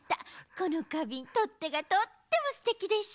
このかびんとってがとってもステキでしょ？